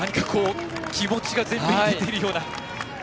気持ちが前面に出ているような。